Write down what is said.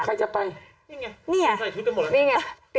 ใครจะไป